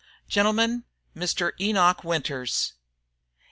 Gentlemen, Mr. Enoch Winters."